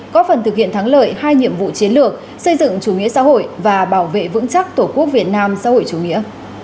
có phần thực hiện thắng lợi hai nhiệm vụ chiến lược xây dựng chủ nghĩa xã hội và bảo vệ vững chắc tổ quốc việt nam xã hội chủ nghĩa